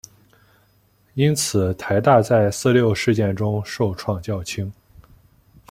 因此台大在四六事件中受创较轻。